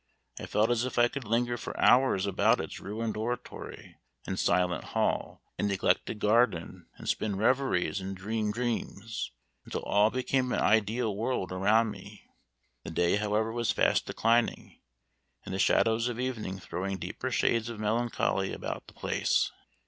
I felt as if I could linger for hours about its ruined oratory, and silent hall, and neglected garden, and spin reveries and dream dreams, until all became an ideal world around me. The day, however, was fast declining, and the shadows of evening throwing deeper shades of melancholy about the place.